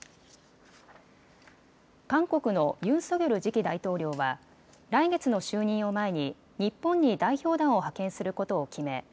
韓国のユン・ソギョル次期大統領は来月の就任を前に日本に代表団を派遣することを決め